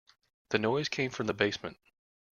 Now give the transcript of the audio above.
The noise came from the basement.